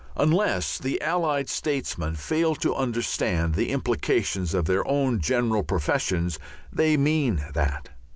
Unless the Allied statesmen fail to understand the implications of their own general professions they mean that.